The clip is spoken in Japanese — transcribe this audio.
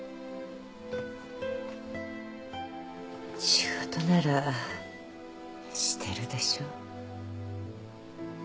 仕事ならしてるでしょ。